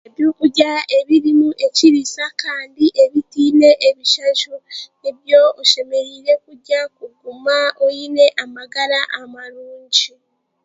Ebyokurya ebirimu ekiriisa kandi ebitaine ebishaju nibyo oshemereire kurya kuguma oine amagara marungi